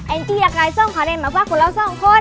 แอนจี้จะกลายส่งคาเด้นมาฝากคนเราสองคน